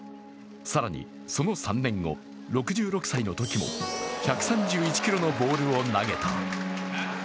更にその３年後、６６歳のときも１３１キロのボールを投げた。